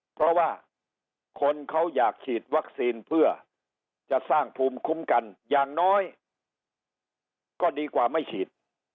เพราะว่าคนเขาอยากฉีดวัคซีนเพื่อจะสร้างภูมิคุ้มกันอย่างน้อยก็ดีกว่าไม่ฉีด